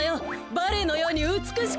バレエのようにうつくしく。